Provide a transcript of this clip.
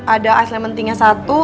ada ice lemon tea nya satu